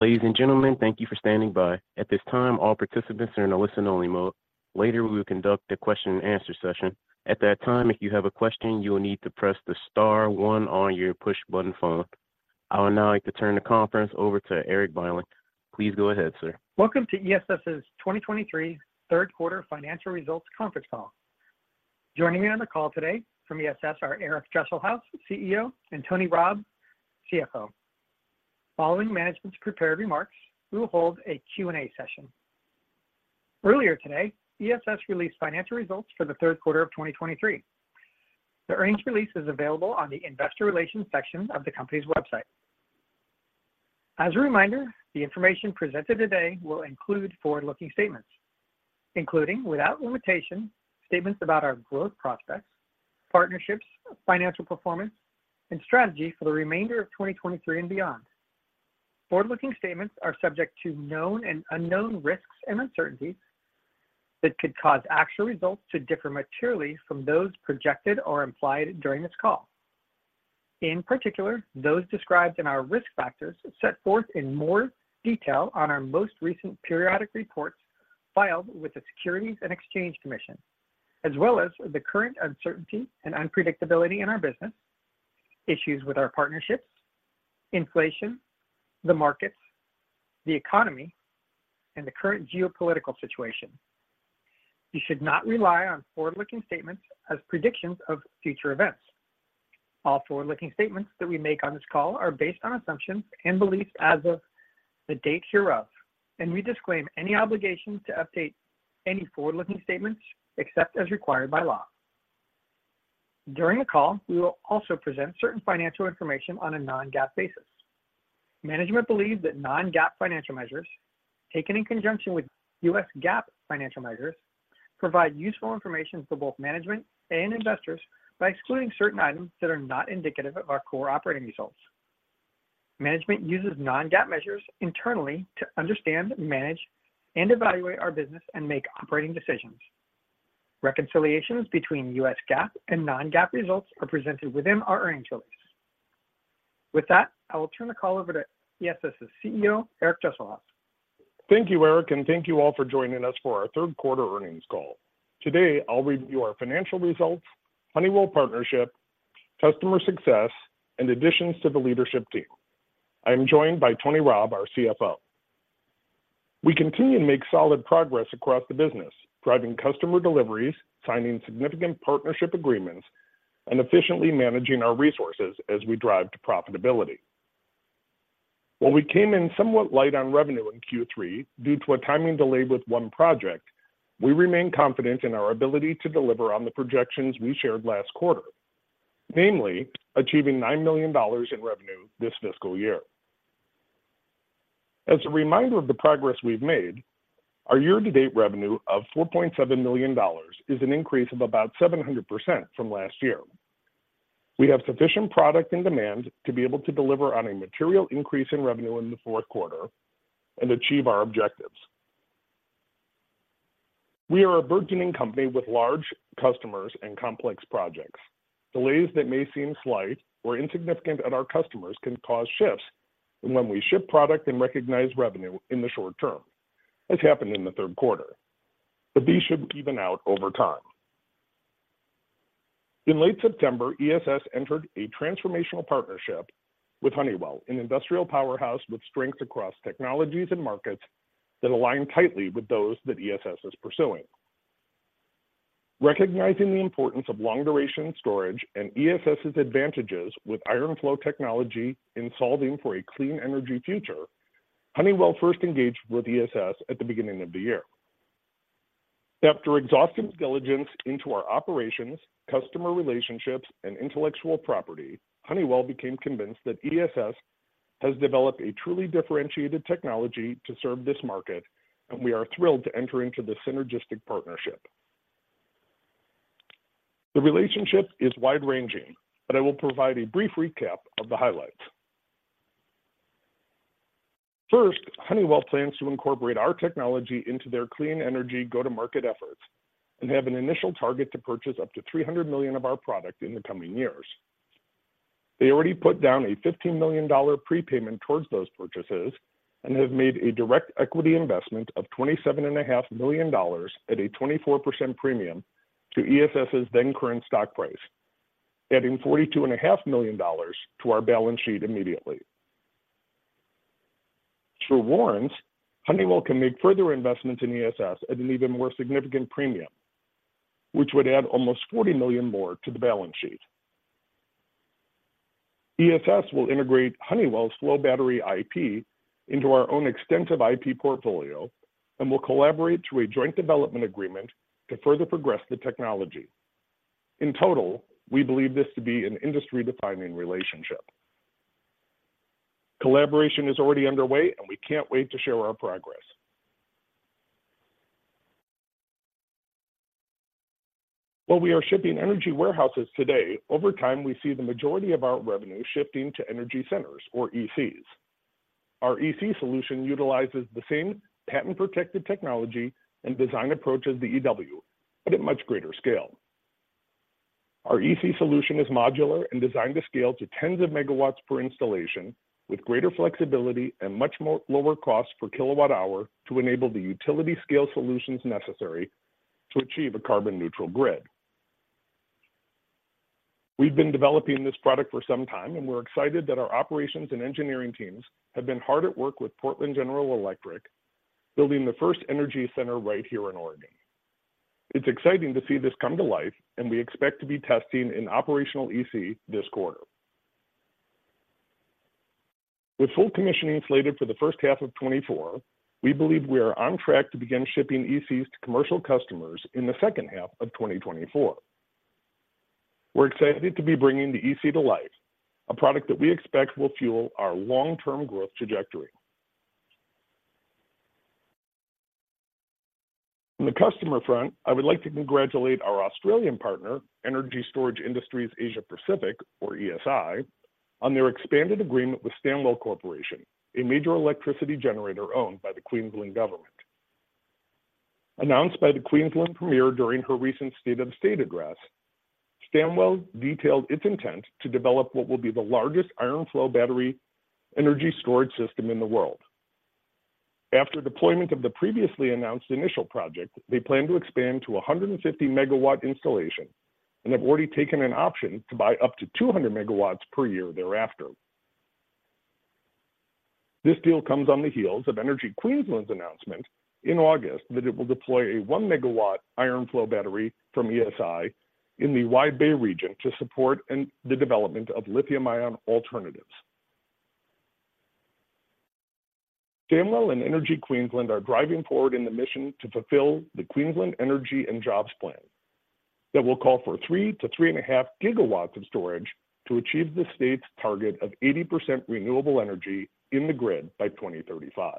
Ladies and gentlemen, thank you for standing by. At this time, all participants are in a listen-only mode. Later, we will conduct a question-and-answer session. At that time, if you have a question, you will need to press the star one on your push-button phone. I would now like to turn the conference over to Erik Bylin. Please go ahead, sir. Welcome to ESS's 2023 third quarter financial results conference call. Joining me on the call today from ESS are Eric Dresselhuys, CEO, and Tony Robb, CFO. Following management's prepared remarks, we will hold a Q&A session. Earlier today, ESS released financial results for the third quarter of 2023. The earnings release is available on the Investor Relations section of the company's website. As a reminder, the information presented today will include forward-looking statements, including, without limitation, statements about our growth prospects, partnerships, financial performance, and strategy for the remainder of 2023 and beyond. Forward-looking statements are subject to known and unknown risks and uncertainties that could cause actual results to differ materially from those projected or implied during this call. In particular, those described in our risk factors set forth in more detail on our most recent periodic reports filed with the Securities and Exchange Commission, as well as the current uncertainty and unpredictability in our business, issues with our partnerships, inflation, the markets, the economy, and the current geopolitical situation. You should not rely on forward-looking statements as predictions of future events. All forward-looking statements that we make on this call are based on assumptions and beliefs as of the date hereof, and we disclaim any obligation to update any forward-looking statements except as required by law. During the call, we will also present certain financial information on a non-GAAP basis. Management believes that non-GAAP financial measures, taken in conjunction with U.S. GAAP financial measures, provide useful information for both management and investors by excluding certain items that are not indicative of our core operating results. Management uses non-GAAP measures internally to understand, manage, and evaluate our business and make operating decisions. Reconciliations between U.S. GAAP and non-GAAP results are presented within our earnings release. With that, I will turn the call over to ESS's CEO, Eric Dresselhuys. Thank you, Eric, and thank you all for joining us for our third quarter earnings call. Today, I'll review our financial results, Honeywell partnership, customer success, and additions to the leadership team. I am joined by Tony Robb, our CFO. We continue to make solid progress across the business, driving customer deliveries, signing significant partnership agreements, and efficiently managing our resources as we drive to profitability. While we came in somewhat light on revenue in Q3 due to a timing delay with one project, we remain confident in our ability to deliver on the projections we shared last quarter, namely achieving $9 million in revenue this fiscal year. As a reminder of the progress we've made, our year-to-date revenue of $4.7 million is an increase of about 700% from last year. We have sufficient product and demand to be able to deliver on a material increase in revenue in the fourth quarter and achieve our objectives. We are a burgeoning company with large customers and complex projects. Delays that may seem slight or insignificant at our customers can cause shifts in when we ship product and recognize revenue in the short term, as happened in the third quarter, but these should even out over time. In late September, ESS entered a transformational partnership with Honeywell, an industrial powerhouse with strength across technologies and markets that align tightly with those that ESS is pursuing. Recognizing the importance of long-duration storage and ESS's advantages with iron flow technology in solving for a clean energy future, Honeywell first engaged with ESS at the beginning of the year. After exhaustive diligence into our operations, customer relationships, and intellectual property, Honeywell became convinced that ESS has developed a truly differentiated technology to serve this market, and we are thrilled to enter into this synergistic partnership. The relationship is wide-ranging, but I will provide a brief recap of the highlights. First, Honeywell plans to incorporate our technology into their clean energy go-to-market efforts and have an initial target to purchase up to $300 million of our product in the coming years. They already put down a $15 million prepayment towards those purchases and have made a direct equity investment of $27.5 million at a 24% premium to ESS's then current stock price, adding $42.5 million to our balance sheet immediately. Through warrants, Honeywell can make further investments in ESS at an even more significant premium, which would add almost $40 million more to the balance sheet. ESS will integrate Honeywell's flow battery IP into our own extensive IP portfolio and will collaborate through a joint development agreement to further progress the technology. In total, we believe this to be an industry-defining relationship. Collaboration is already underway, and we can't wait to share our progress. While we are shipping Energy Warehouses today, over time, we see the majority of our revenue shifting to Energy Centers or ECs. Our EC solution utilizes the same patent-protected technology and design approach as the EW, but at much greater scale. Our EC solution is modular and designed to scale to tens of megawatts per installation, with greater flexibility and much more lower cost per kilowatt hour to enable the utility-scale solutions necessary to achieve a carbon neutral grid. We've been developing this product for some time, and we're excited that our operations and engineering teams have been hard at work with Portland General Electric, building the first Energy Center right here in Oregon. It's exciting to see this come to life, and we expect to be testing an operational EC this quarter. With full commissioning slated for the first half of 2024, we believe we are on track to begin shipping ECs to commercial customers in the second half of 2024. We're excited to be bringing the EC to life, a product that we expect will fuel our long-term growth trajectory. On the customer front, I would like to congratulate our Australian partner, Energy Storage Industries Asia Pacific, or ESI, on their expanded agreement with Stanwell Corporation, a major electricity generator owned by the Queensland Government. Announced by the Queensland Premier during her recent State of the State Address, Stanwell detailed its intent to develop what will be the largest iron flow battery energy storage system in the world. After deployment of the previously announced initial project, they plan to expand to a 150-MW installation and have already taken an option to buy up to 200 MW per year thereafter. This deal comes on the heels of Energy Queensland's announcement in August that it will deploy a 1-MW iron flow battery from ESI in the Wide Bay region to support in the development of lithium-ion alternatives. Stanwell and Energy Queensland are driving forward in the mission to fulfill the Queensland Energy and Jobs Plan that will call for 3 GW-3.5 GW of storage to achieve the state's target of 80% renewable energy in the grid by 2035.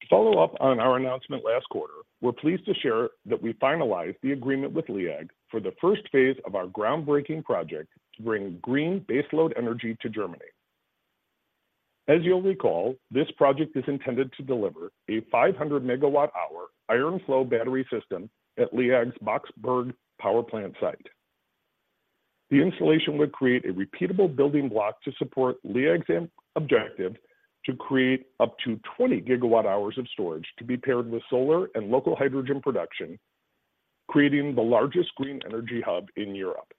To follow up on our announcement last quarter, we're pleased to share that we finalized the agreement with LEAG for the first phase of our groundbreaking project to bring green baseload energy to Germany. As you'll recall, this project is intended to deliver a 500 MWh iron flow battery system at LEAG's Boxberg power plant site. The installation would create a repeatable building block to support LEAG's objective to create up to 20 GWh of storage to be paired with solar and local hydrogen production, creating the largest green energy hub in Europe.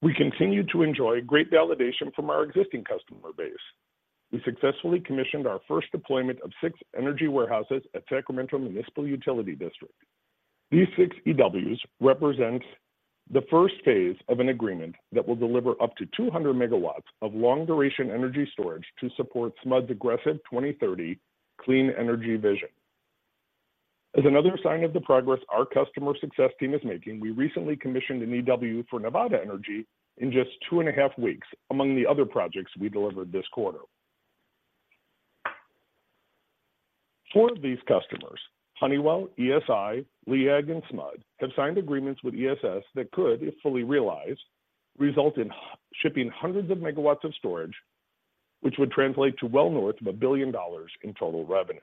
We continue to enjoy great validation from our existing customer base. We successfully commissioned our first deployment of six Energy Warehouses at Sacramento Municipal Utility District. These six EWs represent the first phase of an agreement that will deliver up to 200 MW of long-duration energy storage to support SMUD's aggressive 2030 clean energy vision. As another sign of the progress our customer success team is making, we recently commissioned an EW for Nevada Energy in just two and a half weeks, among the other projects we delivered this quarter. Four of these customers, Honeywell, ESI, LEAG, and SMUD, have signed agreements with ESS that could, if fully realized, result in shipping hundreds of megawatts of storage, which would translate to well north of $1 billion in total revenue.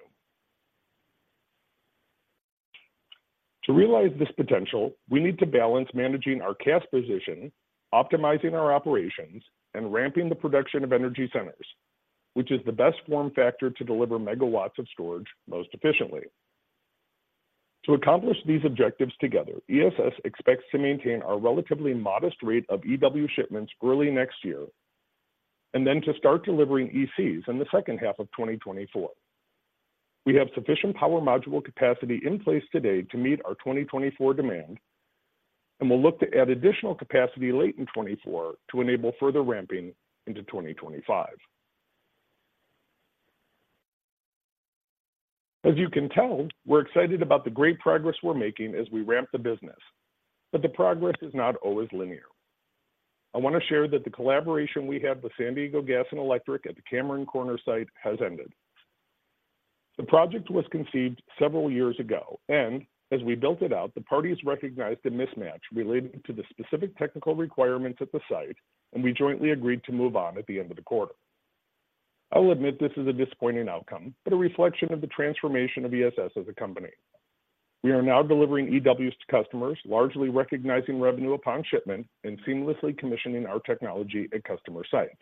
To realize this potential, we need to balance managing our cash position, optimizing our operations, and ramping the production of Energy Centers, which is the best form factor to deliver megawatts of storage most efficiently. To accomplish these objectives together, ESS expects to maintain our relatively modest rate of EW shipments early next year, and then to start delivering ECs in the second half of 2024. We have sufficient power module capacity in place today to meet our 2024 demand, and we'll look to add additional capacity late in 2024 to enable further ramping into 2025. As you can tell, we're excited about the great progress we're making as we ramp the business, but the progress is not always linear. I want to share that the collaboration we had with San Diego Gas & Electric at the Cameron Corners site has ended. The project was conceived several years ago, and as we built it out, the parties recognized a mismatch related to the specific technical requirements at the site, and we jointly agreed to move on at the end of the quarter. I will admit this is a disappointing outcome, but a reflection of the transformation of ESS as a company. We are now delivering EWs to customers, largely recognizing revenue upon shipment and seamlessly commissioning our technology at customer sites.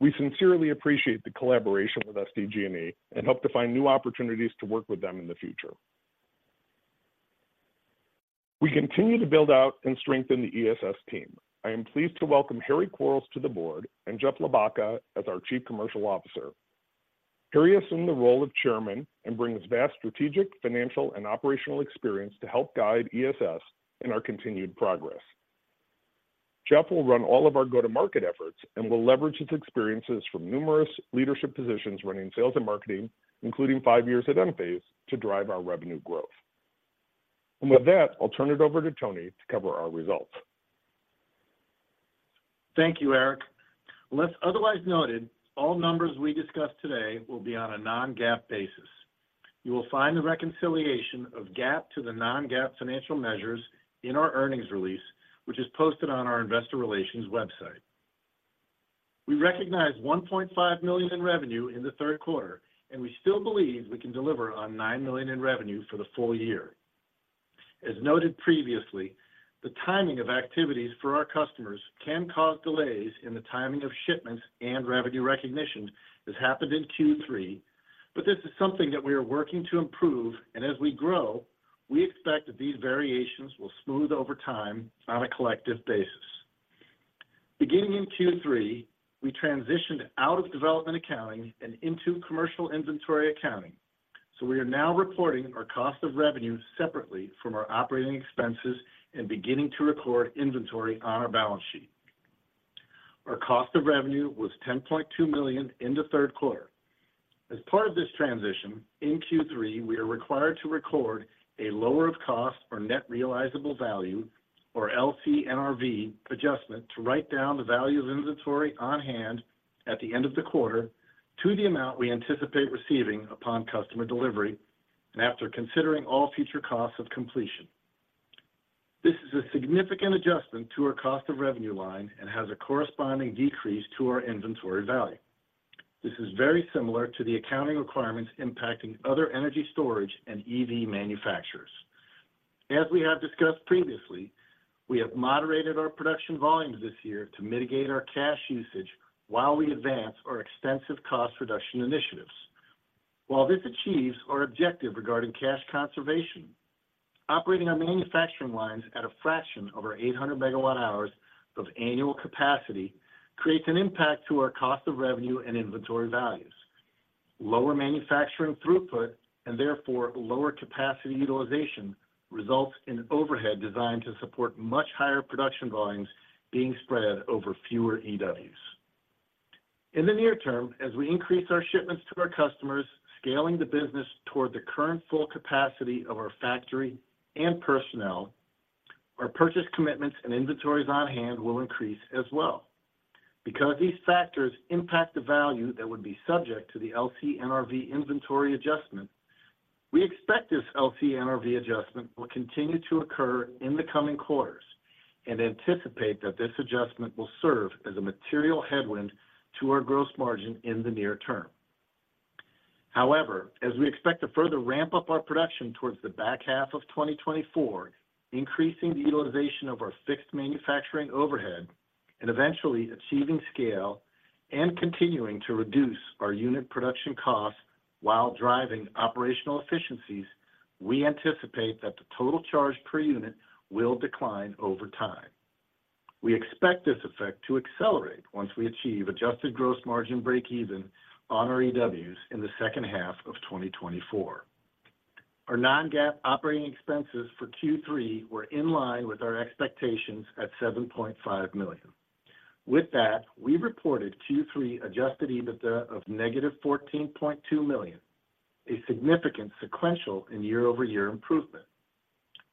We sincerely appreciate the collaboration with SDG&E and hope to find new opportunities to work with them in the future. We continue to build out and strengthen the ESS team. I am pleased to welcome Harry Quarls to the board and Jeff Loebbaka as our Chief Commercial Officer. Harry assumed the role of chairman and brings vast strategic, financial, and operational experience to help guide ESS in our continued progress. Jeff will run all of our go-to-market efforts and will leverage his experiences from numerous leadership positions running sales and marketing, including five years at Enphase, to drive our revenue growth. With that, I'll turn it over to Tony to cover our results. Thank you, Eric. Unless otherwise noted, all numbers we discuss today will be on a non-GAAP basis. You will find the reconciliation of GAAP to the non-GAAP financial measures in our earnings release, which is posted on our investor relations website. We recognized $1.5 million in revenue in the third quarter, and we still believe we can deliver on $9 million in revenue for the full year. As noted previously, the timing of activities for our customers can cause delays in the timing of shipments and revenue recognition. This happened in Q3, but this is something that we are working to improve, and as we grow, we expect that these variations will smooth over time on a collective basis. Beginning in Q3, we transitioned out of development accounting and into commercial inventory accounting. So we are now reporting our cost of revenue separately from our operating expenses and beginning to record inventory on our balance sheet. Our cost of revenue was $10.2 million in the third quarter. As part of this transition, in Q3, we are required to record a lower of cost or net realizable value, or LCNRV adjustment, to write down the value of inventory on hand at the end of the quarter to the amount we anticipate receiving upon customer delivery and after considering all future costs of completion. This is a significant adjustment to our cost of revenue line and has a corresponding decrease to our inventory value. This is very similar to the accounting requirements impacting other energy storage and EV manufacturers. As we have discussed previously, we have moderated our production volumes this year to mitigate our cash usage while we advance our extensive cost reduction initiatives. While this achieves our objective regarding cash conservation, operating our manufacturing lines at a fraction of our 800 MWh of annual capacity creates an impact to our cost of revenue and inventory values. Lower manufacturing throughput, and therefore lower capacity utilization, results in overhead designed to support much higher production volumes being spread over fewer EWs. In the near term, as we increase our shipments to our customers, scaling the business toward the current full capacity of our factory and personnel, our purchase commitments and inventories on hand will increase as well. Because these factors impact the value that would be subject to the LCNRV inventory adjustment, we expect this LCNRV adjustment will continue to occur in the coming quarters and anticipate that this adjustment will serve as a material headwind to our gross margin in the near term. However, as we expect to further ramp up our production towards the back half of 2024, increasing the utilization of our fixed manufacturing overhead and eventually achieving scale and continuing to reduce our unit production costs while driving operational efficiencies, we anticipate that the total charge per unit will decline over time. We expect this effect to accelerate once we achieve adjusted gross margin breakeven on our EWs in the second half of 2024. Our non-GAAP operating expenses for Q3 were in line with our expectations at $7.5 million. With that, we reported Q3 adjusted EBITDA of -$14.2 million, a significant sequential and year-over-year improvement.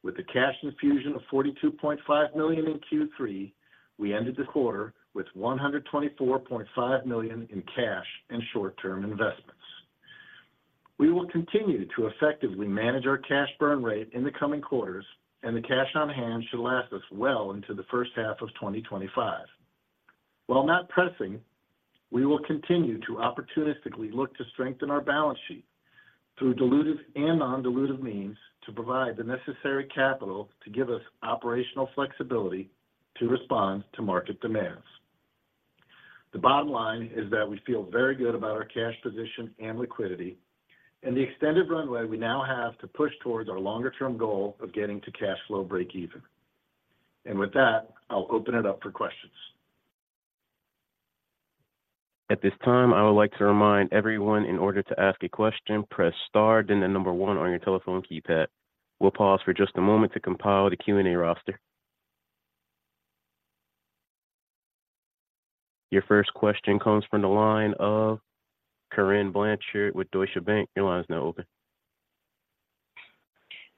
With the cash infusion of $42.5 million in Q3, we ended the quarter with $124.5 million in cash and short-term investments. We will continue to effectively manage our cash burn rate in the coming quarters, and the cash on hand should last us well into the first half of 2025. While not pressing, we will continue to opportunistically look to strengthen our balance sheet through dilutive and non-dilutive means to provide the necessary capital to give us operational flexibility to respond to market demands. The bottom line is that we feel very good about our cash position and liquidity and the extended runway we now have to push towards our longer-term goal of getting to cash flow breakeven. With that, I'll open it up for questions. At this time, I would like to remind everyone in order to ask a question, press star, then the number one on your telephone keypad. We'll pause for just a moment to compile the Q&A roster. Your first question comes from the line of Corinne Blanchard with Deutsche Bank. Your line is now open.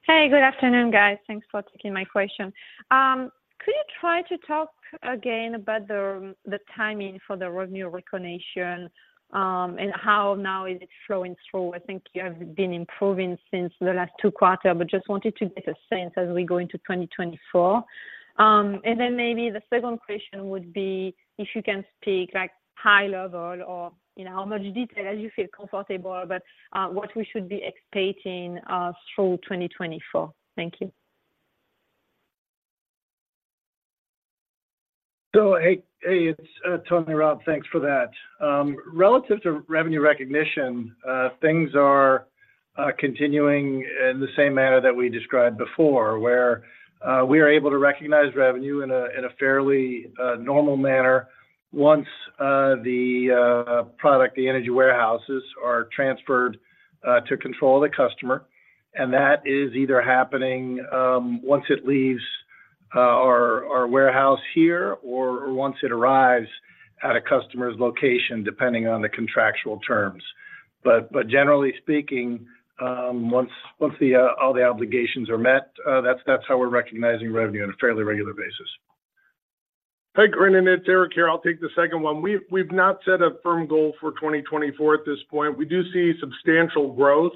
Hey, good afternoon, guys. Thanks for taking my question. Could you try to talk again about the, the timing for the revenue recognition, and how now is it flowing through? I think you have been improving since the last two quarter, but just wanted to get a sense as we go into 2024. And then maybe the second question would be if you can speak, like, high level or, you know, how much detail as you feel comfortable, but what we should be expecting through 2024. Thank you. So hey, it's Tony Robb. Thanks for that. Relative to revenue recognition, things are continuing in the same manner that we described before, where we are able to recognize revenue in a fairly normal manner once the product, the energy warehouses, are transferred to control the customer. And that is either happening once it leaves our warehouse here or once it arrives at a customer's location, depending on the contractual terms. But generally speaking, once all the obligations are met, that's how we're recognizing revenue on a fairly regular basis. Hi, Corinne, it's Eric here. I'll take the second one. We've, we've not set a firm goal for 2024 at this point. We do see substantial growth,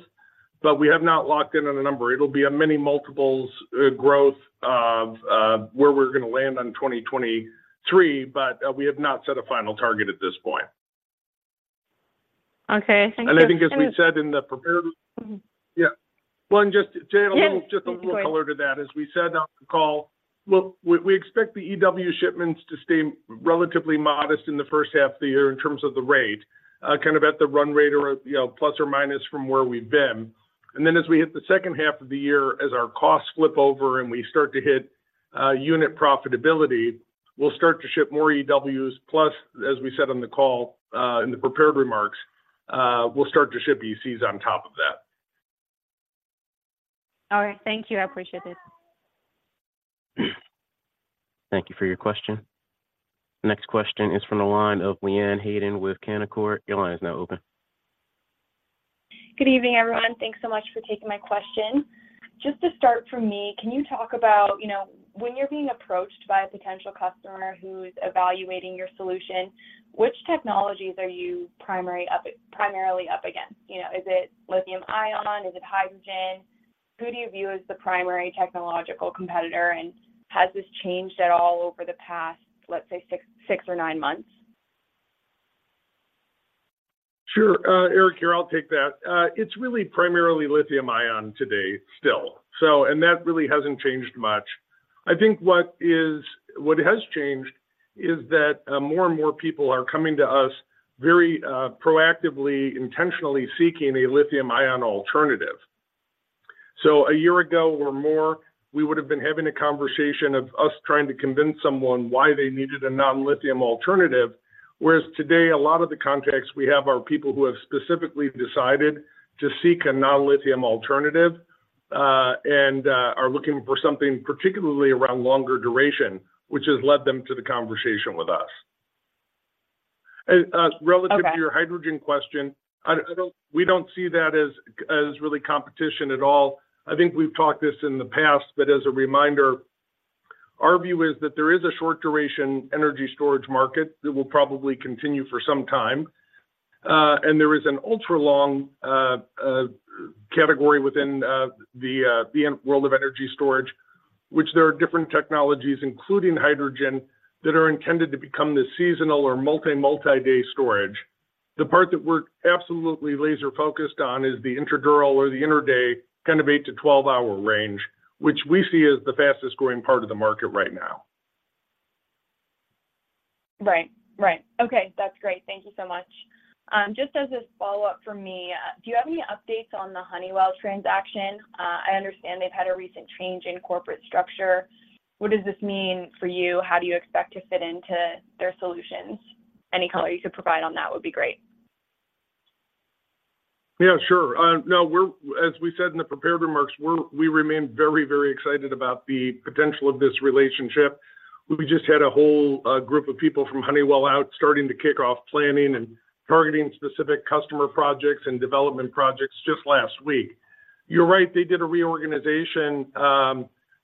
but we have not locked in on a number. It'll be a many multiples growth of where we're gonna land on 2023, but we have not set a final target at this point. Okay, thank you. And I think, as we said in the prepared- Mm-hmm. Yeah. Well, and just to add. Yes. Just a little color to that. As we said on the call, well, we, we expect the EW shipments to stay relatively modest in the first half of the year in terms of the rate, kind of at the run rate or, you know, plus or minus from where we've been. And then, as we hit the second half of the year, as our costs flip over, and we start to hit unit profitability, we'll start to ship more EWs. Plus, as we said on the call, in the prepared remarks, we'll start to ship ECs on top of that. All right. Thank you. I appreciate it. Thank you for your question. Next question is from the line of Leanne Hayden with Canaccord. Your line is now open. Good evening, everyone. Thanks so much for taking my question. Just to start from me, can you talk about, you know, when you're being approached by a potential customer who's evaluating your solution, which technologies are you primarily up against? You know, is it lithium-ion? Is it hydrogen? Who do you view as the primary technological competitor, and has this changed at all over the past, let's say, six or nine months? Sure. Eric here, I'll take that. It's really primarily lithium-ion today still, so and that really hasn't changed much. I think what has changed is that, more and more people are coming to us very, proactively, intentionally seeking a lithium-ion alternative. So a year ago or more, we would've been having a conversation of us trying to convince someone why they needed a non-lithium alternative. Whereas today, a lot of the contacts we have are people who have specifically decided to seek a non-lithium alternative, and are looking for something particularly around longer duration, which has led them to the conversation with us. Okay. Relative to your hydrogen question, I don't, we don't see that as really competition at all. I think we've talked this in the past, but as a reminder, our view is that there is a short-duration energy storage market that will probably continue for some time. And there is an ultra-long category within the world of energy storage, which there are different technologies, including hydrogen, that are intended to become this seasonal or multi-day storage. The part that we're absolutely laser focused on is the intraday or the intraday, kind of eight- to 12-hour range, which we see as the fastest growing part of the market right now. Right. Right. Okay, that's great. Thank you so much. Just as a follow-up from me, do you have any updates on the Honeywell transaction? I understand they've had a recent change in corporate structure. What does this mean for you? How do you expect to fit into their solutions? Any color you could provide on that would be great. Yeah, sure. No, we're, as we said in the prepared remarks, we remain very, very excited about the potential of this relationship. We just had a whole group of people from Honeywell out, starting to kick off planning and targeting specific customer projects and development projects just last week. You're right, they did a reorganization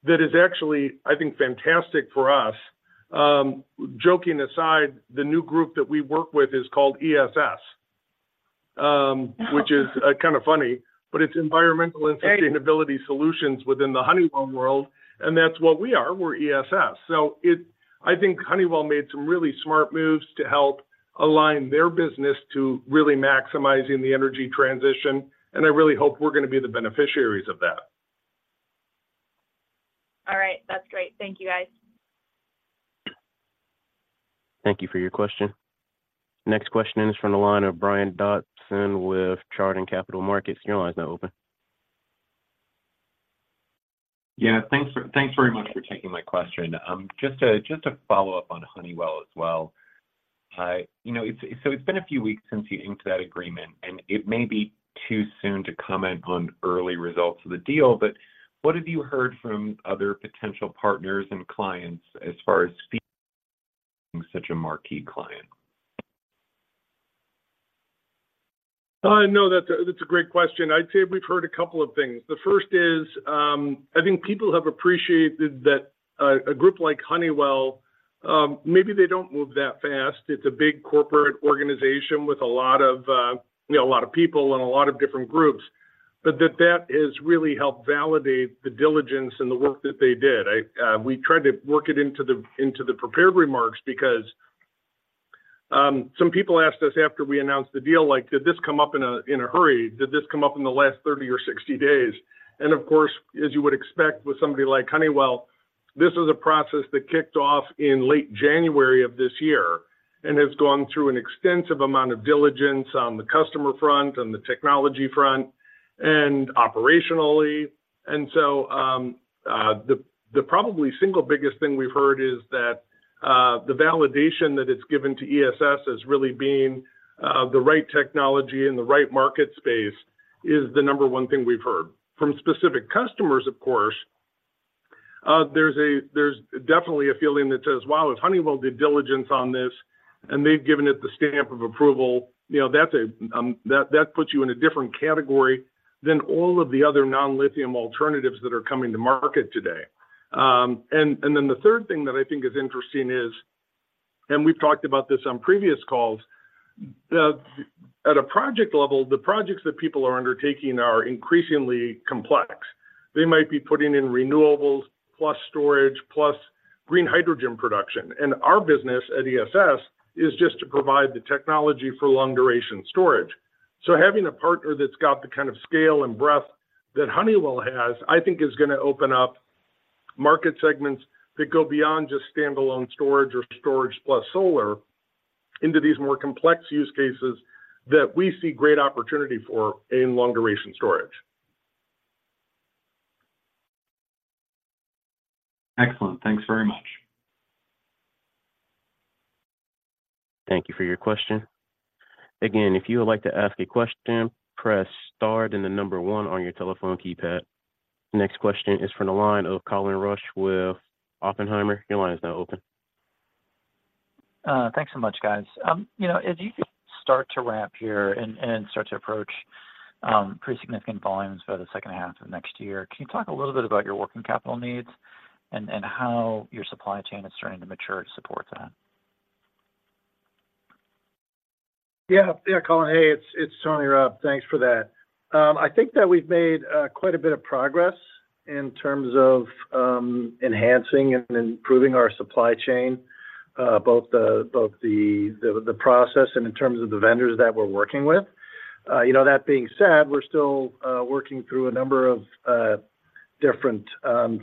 that is actually, I think, fantastic for us. Joking aside, the new group that we work with is called ESS, which is kind of funny, but it's Environmental and Sustainability Solutions within the Honeywell world, and that's what we are. We're ESS. So I think Honeywell made some really smart moves to help align their business to really maximizing the energy transition, and I really hope we're gonna be the beneficiaries of that. All right. That's great. Thank you, guys. Thank you for your question. Next question is from the line of Brian Dobson with Chardan Capital Markets. Your line is now open. Yeah, thanks very much for taking my question. Just a follow-up on Honeywell as well. You know, so it's been a few weeks since you inked that agreement, and it may be too soon to comment on early results of the deal. But what have you heard from other potential partners and clients as far as seeing such a marquee client? No, that's a great question. I'd say we've heard a couple of things. The first is, I think people have appreciated that a group like Honeywell, maybe they don't move that fast. It's a big corporate organization with a lot of, you know, a lot of people and a lot of different groups. But that has really helped validate the diligence and the work that they did. We tried to work it into the prepared remarks because some people asked us after we announced the deal, like: "Did this come up in a hurry? Did this come up in the last 30 or 60 days?" And of course, as you would expect with somebody like Honeywell, this is a process that kicked off in late January of this year and has gone through an extensive amount of diligence on the customer front and the technology front and operationally. And so, the probably single biggest thing we've heard is that the validation that it's given to ESS as really being the right technology and the right market space is the number one thing we've heard. From specific customers, of course, there's definitely a feeling that says, "Wow, if Honeywell did diligence on this..."... and they've given it the stamp of approval, you know, that's a that puts you in a different category than all of the other non-lithium alternatives that are coming to market today. And then the third thing that I think is interesting is, and we've talked about this on previous calls, at a project level, the projects that people are undertaking are increasingly complex. They might be putting in renewables, plus storage, plus green hydrogen production, and our business at ESS is just to provide the technology for long-duration storage. So having a partner that's got the kind of scale and breadth that Honeywell has, I think is gonna open up market segments that go beyond just standalone storage or storage plus solar, into these more complex use cases that we see great opportunity for in long-duration storage. Excellent. Thanks very much. Thank you for your question. Again, if you would like to ask a question, press star then the number one on your telephone keypad. The next question is from the line of Colin Rusch with Oppenheimer. Your line is now open. Thanks so much, guys. You know, as you start to ramp here and start to approach pretty significant volumes for the second half of next year, can you talk a little bit about your working capital needs and how your supply chain is starting to mature to support that? Yeah. Yeah, Colin. Hey, it's Tony Rabb. Thanks for that. I think that we've made quite a bit of progress in terms of enhancing and improving our supply chain, both the process and in terms of the vendors that we're working with. You know, that being said, we're still working through a number of different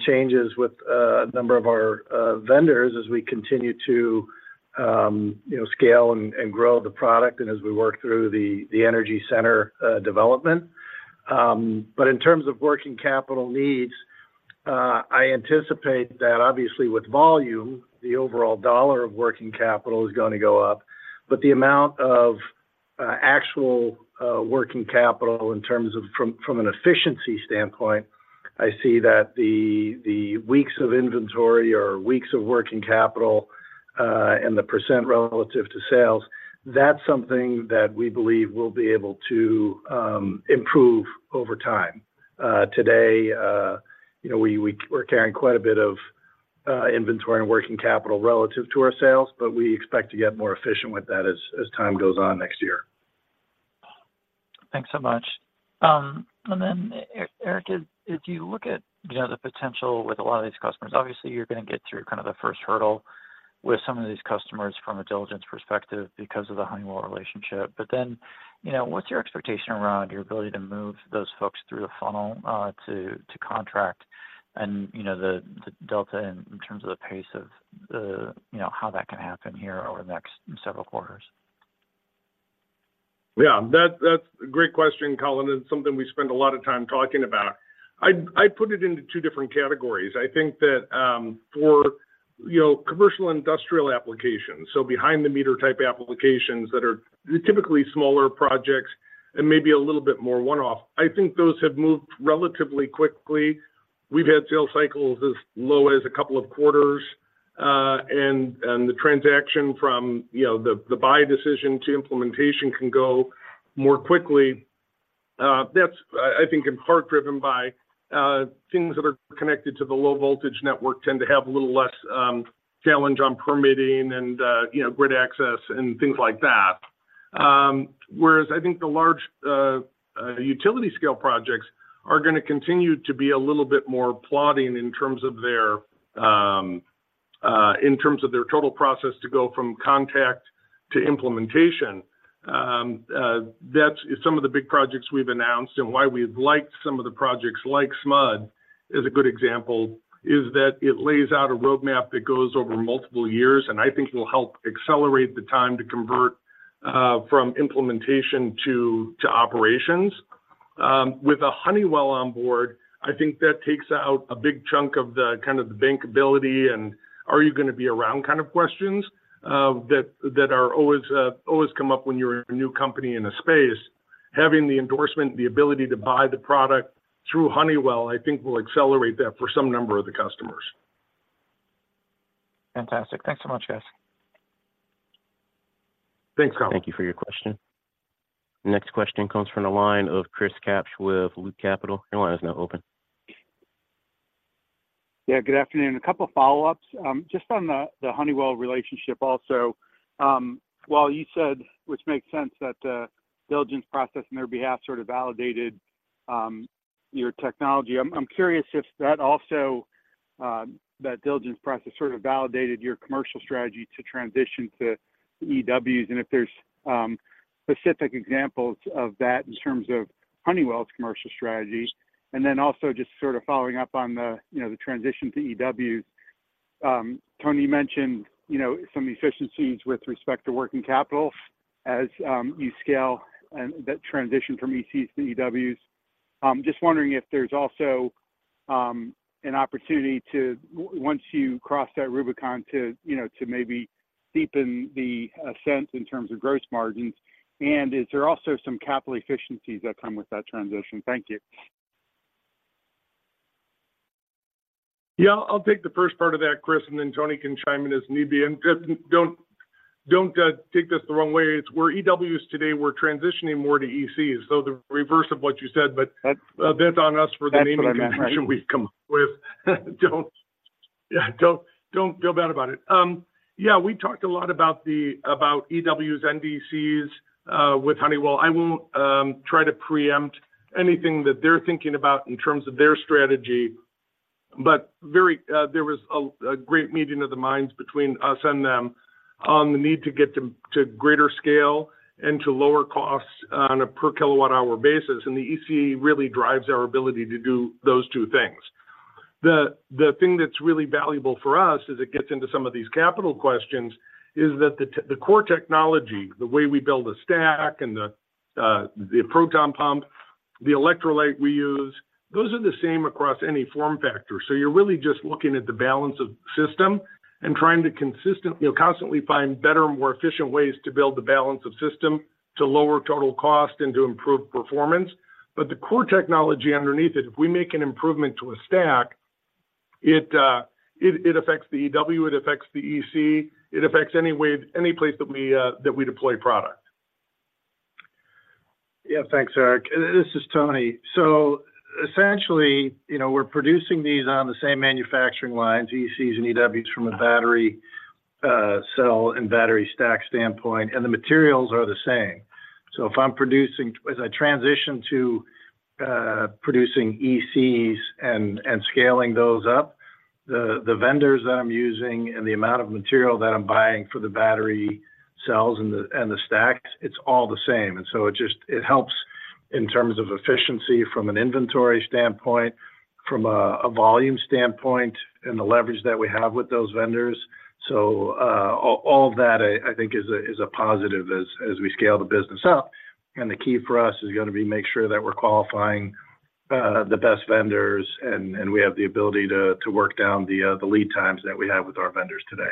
changes with a number of our vendors as we continue to you know, scale and grow the product and as we work through the Energy Center development. But in terms of working capital needs, I anticipate that obviously with volume, the overall dollar of working capital is gonna go up. But the amount of actual working capital in terms of from an efficiency standpoint, I see that the weeks of inventory or weeks of working capital and the percent relative to sales, that's something that we believe we'll be able to improve over time. Today, you know, we're carrying quite a bit of inventory and working capital relative to our sales, but we expect to get more efficient with that as time goes on next year. Thanks so much. And then, Eric, as you look at, you know, the potential with a lot of these customers, obviously, you're gonna get through kind of the first hurdle with some of these customers from a diligence perspective because of the Honeywell relationship. But then, you know, what's your expectation around your ability to move those folks through the funnel to contract and, you know, the delta in terms of the pace of, you know, how that can happen here over the next several quarters? Yeah, that's a great question, Colin, and something we spend a lot of time talking about. I put it into two different categories. I think that for, you know, commercial and industrial applications, so behind-the-meter-type applications that are typically smaller projects and maybe a little bit more one-off, I think those have moved relatively quickly. We've had sales cycles as low as a couple of quarters, and the transaction from, you know, the buy decision to implementation can go more quickly. That's, I think, in part, driven by things that are connected to the low voltage network tend to have a little less challenge on permitting and, you know, grid access and things like that. Whereas I think the large utility-scale projects are gonna continue to be a little bit more plodding in terms of their total process to go from contact to implementation. That's some of the big projects we've announced and why we've liked some of the projects, like SMUD is a good example, is that it lays out a roadmap that goes over multiple years, and I think will help accelerate the time to convert from implementation to operations. With a Honeywell on board, I think that takes out a big chunk of the kind of the bankability, and are you gonna be around kind of questions that are always come up when you're a new company in a space. Having the endorsement, the ability to buy the product through Honeywell, I think will accelerate that for some number of the customers. Fantastic. Thanks so much, guys. Thanks, Colin. Thank you for your question. The next question comes from the line of Chris Kapsch with Loop Capital. Your line is now open. Yeah, good afternoon. A couple of follow-ups. Just on the Honeywell relationship also, while you said, which makes sense, that the diligence process on their behalf sort of validated your technology, I'm curious if that also that diligence process sort of validated your commercial strategy to transition to EWs, and if there's specific examples of that in terms of Honeywell's commercial strategy. And then also just sort of following up on the, you know, the transition to EWs, Tony mentioned, you know, some efficiencies with respect to working capital as you scale and that transition from ECs to EWs. Just wondering if there's also an opportunity to once you cross that Rubicon, to, you know, to maybe deepen the sense in terms of gross margins, and is there also some capital efficiencies that come with that transition? Thank you. ... Yeah, I'll take the first part of that, Chris, and then Tony can chime in as need be. And don't, don't, take this the wrong way, it's we're EWs today, we're transitioning more to ECs, so the reverse of what you said, but- That's- That's on us for the- That's what I meant, right?... naming convention we've come up with. Don't, yeah, don't, don't feel bad about it. Yeah, we talked a lot about EWs, NDCs with Honeywell. I won't try to preempt anything that they're thinking about in terms of their strategy, but very, there was a great meeting of the minds between us and them on the need to get to, to greater scale and to lower costs on a per kilowatt hour basis, and the EC really drives our ability to do those two things. The thing that's really valuable for us, as it gets into some of these capital questions, is that the core technology, the way we build a stack and the proton pump, the electrolyte we use, those are the same across any form factor. So you're really just looking at the balance of system and trying to consistently, you know, constantly find better, more efficient ways to build the balance of system, to lower total cost and to improve performance. But the core technology underneath it, if we make an improvement to a stack, it affects the EW, it affects the EC, it affects any way, any place that we deploy product. Yeah. Thanks, Eric. This is Tony. So essentially, you know, we're producing these on the same manufacturing lines, ECs and EWs, from a battery cell and battery stack standpoint, and the materials are the same. So if I'm producing—as I transition to producing ECs and scaling those up, the vendors that I'm using and the amount of material that I'm buying for the battery cells and the stacks, it's all the same. And so it just helps in terms of efficiency from an inventory standpoint, from a volume standpoint, and the leverage that we have with those vendors. So all that, I think is a positive as we scale the business up. The key for us is gonna be make sure that we're qualifying the best vendors, and we have the ability to work down the lead times that we have with our vendors today.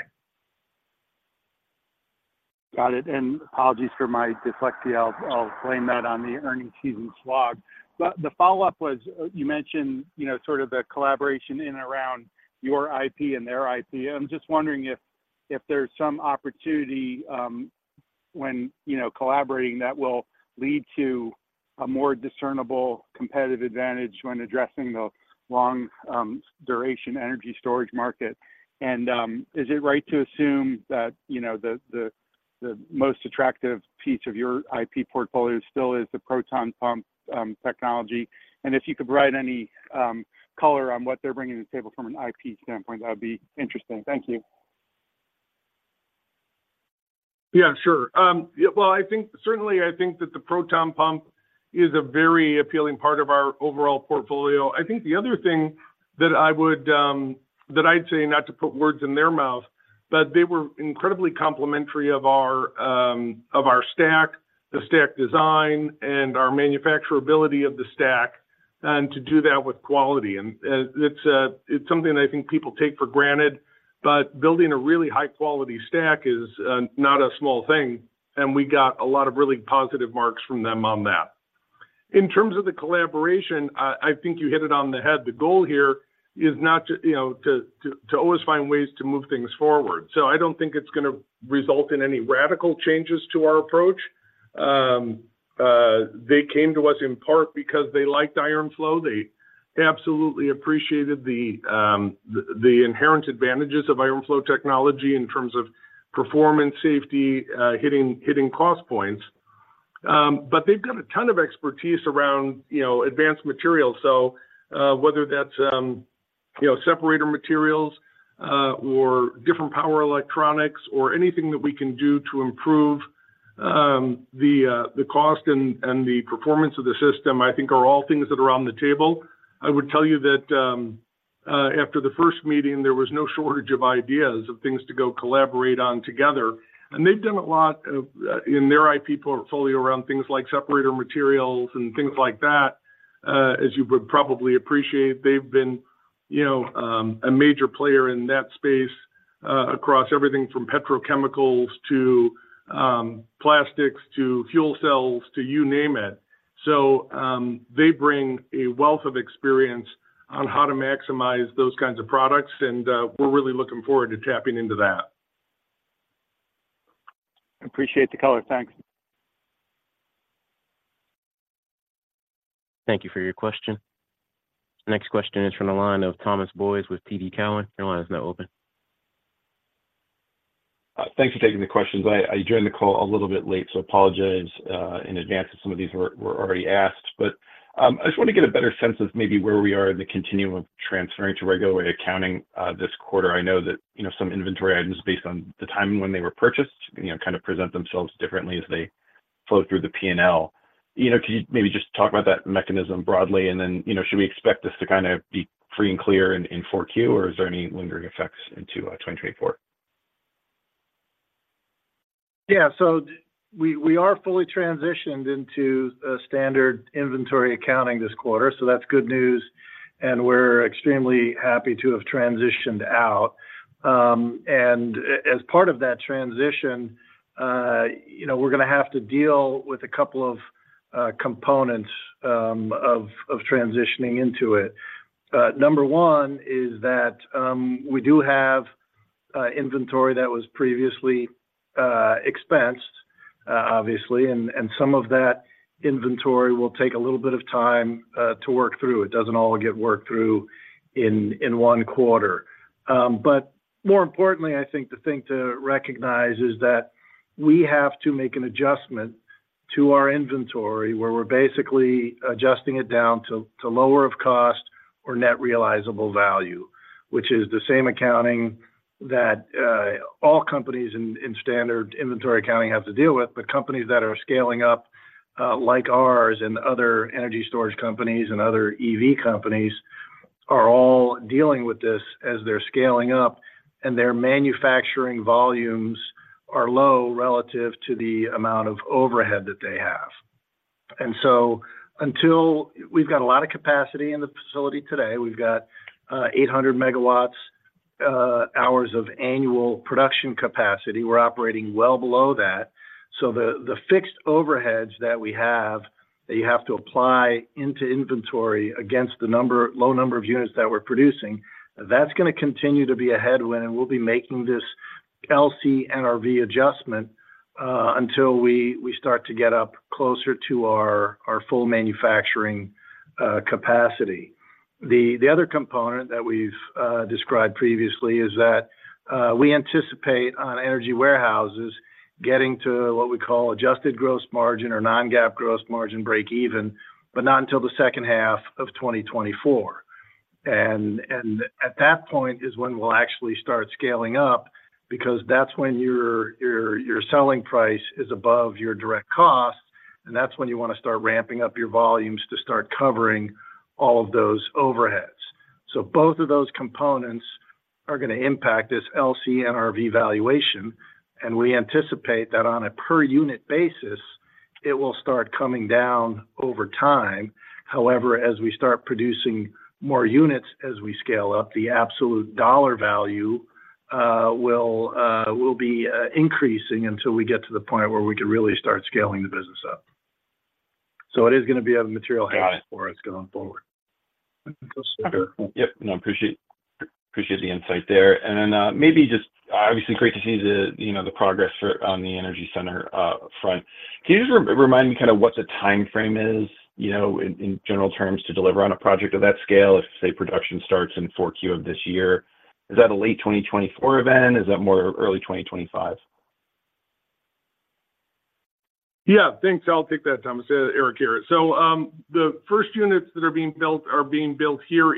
Got it, and apologies for my dyslexia. I'll blame that on the earnings season slog. But the follow-up was, you mentioned, you know, sort of a collaboration in around your IP and their IP. I'm just wondering if, if there's some opportunity, when, you know, collaborating, that will lead to a more discernible competitive advantage when addressing the long duration energy storage market. And, is it right to assume that, you know, the most attractive piece of your IP portfolio still is the proton pump technology? And if you could provide any color on what they're bringing to the table from an IP standpoint, that would be interesting. Thank you. Yeah, sure. Yeah, well, I think—certainly, I think that the proton pump is a very appealing part of our overall portfolio. I think the other thing that I would, that I'd say, not to put words in their mouth, but they were incredibly complimentary of our, of our stack, the stack design, and our manufacturability of the stack, and to do that with quality. And it's something that I think people take for granted, but building a really high-quality stack is not a small thing, and we got a lot of really positive marks from them on that. In terms of the collaboration, I think you hit it on the head. The goal here is not to, you know, to always find ways to move things forward. So I don't think it's gonna result in any radical changes to our approach. They came to us in part because they liked iron flow. They absolutely appreciated the, the inherent advantages of iron flow technology in terms of performance, safety, hitting, hitting cost points. But they've got a ton of expertise around, you know, advanced materials. So, whether that's, you know, separator materials, or different power electronics, or anything that we can do to improve, the, the cost and, and the performance of the system, I think are all things that are on the table. I would tell you that, after the first meeting, there was no shortage of ideas of things to go collaborate on together. They've done a lot in their IP portfolio around things like separator materials and things like that. As you would probably appreciate, they've been, you know, a major player in that space, across everything from petrochemicals to plastics, to fuel cells, to you name it. They bring a wealth of experience on how to maximize those kinds of products, and we're really looking forward to tapping into that. Appreciate the color. Thanks. Thank you for your question. Next question is from the line of Thomas Boyes with TD Cowen. Your line is now open. Thanks for taking the questions. I joined the call a little bit late, so apologize in advance if some of these were already asked. But I just want to get a better sense of maybe where we are in the continuum of transferring to regulatory accounting this quarter. I know that, you know, some inventory items, based on the timing when they were purchased, you know, kind of present themselves differently as they flow through the P&L. You know, can you maybe just talk about that mechanism broadly? And then, you know, should we expect this to kind of be free and clear in Q4, or is there any lingering effects into 2024? Yeah. So we are fully transitioned into a standard inventory accounting this quarter, so that's good news, and we're extremely happy to have transitioned out. And as part of that transition, you know, we're gonna have to deal with a couple of components of transitioning into it. Number one is that we do have inventory that was previously expensed, obviously, and some of that inventory will take a little bit of time to work through. It doesn't all get worked through in one quarter. But more importantly, I think the thing to recognize is that we have to make an adjustment to our inventory, where we're basically adjusting it down to lower of cost or net realizable value. Which is the same accounting that, all companies in standard inventory accounting have to deal with. But companies that are scaling up, like ours and other energy storage companies and other EV companies, are all dealing with this as they're scaling up, and their manufacturing volumes are low relative to the amount of overhead that they have. And so until. We've got a lot of capacity in the facility today. We've got 800 MWh of annual production capacity. We're operating well below that. So the fixed overheads that we have, that you have to apply into inventory against the low number of units that we're producing, that's going to continue to be a headwind, and we'll be making this LCNRV adjustment until we start to get up closer to our full manufacturing capacity. The other component that we've described previously is that we anticipate on Energy Warehouses getting to what we call adjusted gross margin or non-GAAP gross margin break even, but not until the second half of 2024. And at that point is when we'll actually start scaling up, because that's when your selling price is above your direct cost, and that's when you want to start ramping up your volumes to start covering all of those overheads. So both of those components are going to impact this LCNRV valuation, and we anticipate that on a per unit basis, it will start coming down over time. However, as we start producing more units as we scale up, the absolute dollar value will be increasing until we get to the point where we can really start scaling the business up. It is going to be of a material help- Got it. For us going forward. Yep. No, appreciate, appreciate the insight there. And then, maybe just... Obviously, great to see the, you know, the progress for, on the energy center front. Can you just remind me kind of what the time frame is, you know, in general terms, to deliver on a project of that scale? If, say, production starts in 4Q of this year, is that a late 2024 event? Is that more early 2025? Yeah, thanks. I'll take that, Thomas. Eric here. So, the first units that are being built are being built here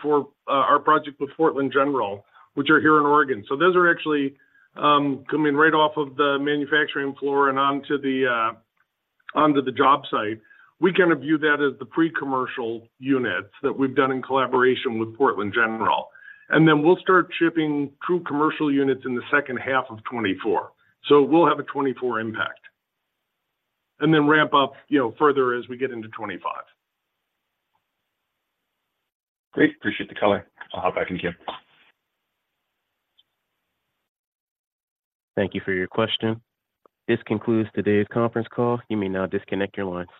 for our project with Portland General, which are here in Oregon. So those are actually coming right off of the manufacturing floor and onto the job site. We kind of view that as the pre-commercial units that we've done in collaboration with Portland General. And then we'll start shipping true commercial units in the second half of 2024. So we'll have a 2024 impact, and then ramp up, you know, further as we get into 2025. Great. Appreciate the color. I'll hop back in queue. Thank you for your question. This concludes today's conference call. You may now disconnect your line.